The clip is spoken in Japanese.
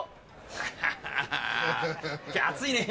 ハハハ今日は暑いね。